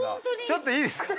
ちょっといいですか？